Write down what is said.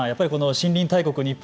森林大国・日本